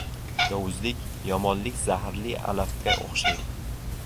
Yovuzlik, yomonlik zaharli alafga o‘xshaydi